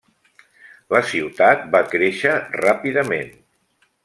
La ciutat va créixer ràpidament.